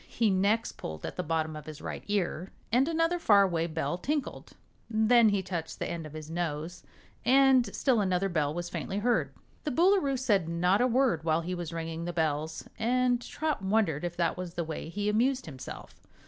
He next pulled at the bottom of his right ear, and another far away bell tinkled; then he touched the end of his nose and still another bell was faintly heard. The Boolooroo said not a word while he was ringing the bells, and Trot wondered if that was the way he amused himself.